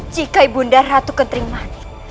jika ibu nda ratu kentering mani